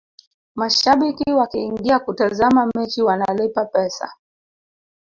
mashabiki wakiingia kutazama mechi wanalipa pesa